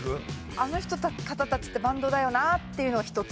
あの方たちってバンドだよなあっていうのを１つ。